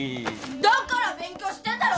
だから勉強してんだろうが！